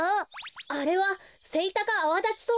あれはセイタカアワダチソウです。